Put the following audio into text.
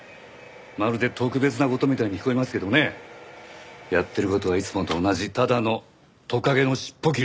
まるで特別な事みたいに聞こえますけどねやってる事はいつもと同じただのトカゲの尻尾切りでしょ。